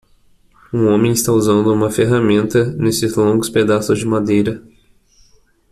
Um homem está usando uma ferramenta nesses longos pedaços de madeira.